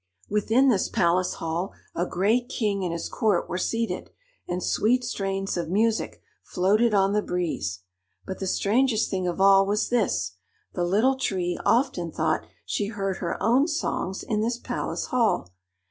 Within this palace hall a great king and his court were seated, and sweet strains of music floated on the breeze. But the strangest thing of all was this: the Little Tree often thought she heard her own songs in this palace hall.